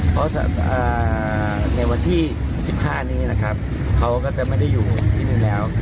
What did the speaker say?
เพราะในวันที่๑๕นี้นะครับเขาก็จะไม่ได้อยู่ที่นี่แล้ว